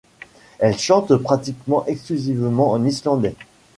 Elles chantent pratiquement exclusivement en islandais.